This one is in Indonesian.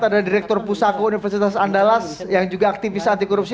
ada direktur pusako universitas andalas yang juga aktivis anti korupsi